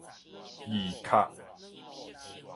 字卡